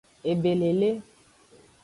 Ebelele.